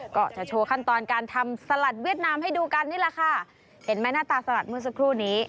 ก็จะโชว์ขั้นตอนการทำสลัดเวียดนามให้ดูกันนี่แหละค่ะเห็นไหมหน้าตาสลัดเมื่อสักครู่นี้